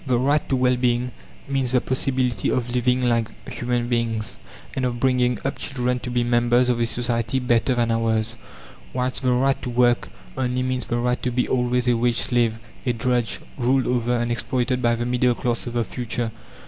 The "right to well being" means the possibility of living like human beings, and of bringing up children to be members of a society better than ours, whilst the "right to work" only means the right to be always a wage slave, a drudge, ruled over and exploited by the middle class of the future.